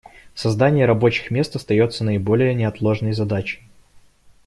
Создание рабочих мест остается наиболее неотложной задачей.